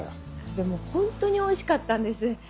でもホントにおいしかったんです。